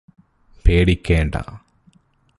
പേടിക്കേണ്ട